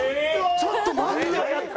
ちょっと待って！